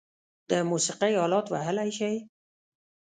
د موسیقۍ آلات وهلی شئ؟